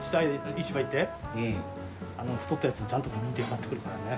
市場行って太ったやつちゃんと見て買ってくるからね。